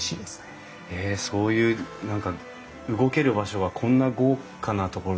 そういう何か動ける場所がこんな豪華な所だと。